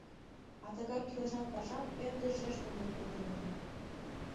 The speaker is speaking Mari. А тыгай кӱлешан пашам ӧрдыжеш монден коден улына.